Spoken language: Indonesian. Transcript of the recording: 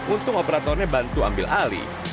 untung operatornya bantu ambil alih